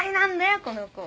この子は。